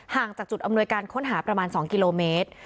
จากจุดอำนวยการค้นหาประมาณ๒กิโลเมตร